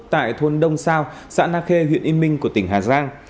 tại thôn đông sao xã na khê huyện yên minh của tỉnh hà giang